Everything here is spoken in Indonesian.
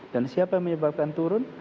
dan siapa yang menyebabkan turun